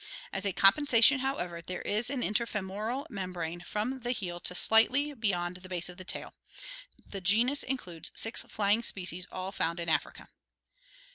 As a compensation, however, there is an interfemoral membrane from the heel to slightly beyond the base of the tail. The genus includes six flying species, all found in Africa.